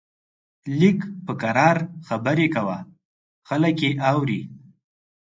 لږ په کرار خبرې کوه، خلک يې اوري!